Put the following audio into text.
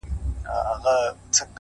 هغه اوس كډ ه وړي كا بل ته ځي،